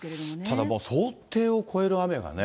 ただもう想定を超える雨がね、